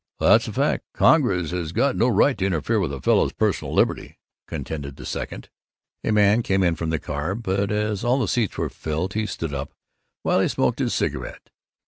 "That's a fact. Congress has got no right to interfere with a fellow's personal liberty," contended the second. A man came in from the car, but as all the seats were full he stood up while he smoked his cigarette.